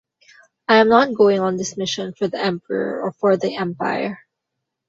I am not going on this mission for the Emperor or for the Empire...